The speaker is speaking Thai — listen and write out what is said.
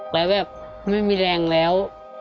แล้วแบบมันไม่มีแรงแล้ว